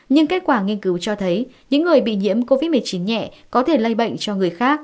nhưng kết quả nghiên cứu cho thấy những người bị nhiễm covid một mươi chín nhẹ có thể lây bệnh cho người khác